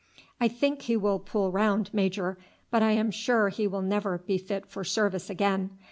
"I think he will pull round, major; but I am sure he will never be fit for service again.